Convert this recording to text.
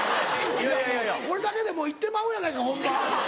これだけでもう行ってまうやないかホンマ。